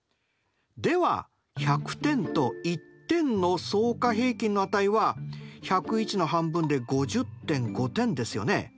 では１００点と１点の相加平均の値は１０１の半分で５０．５点ですよね。